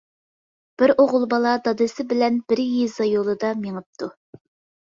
بىر ئوغۇل بالا دادىسى بىلەن بىر يېزا يولىدا مېڭىپتۇ.